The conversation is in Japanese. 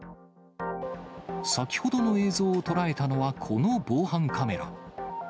先ほどの映像を捉えたのは、この防犯カメラ。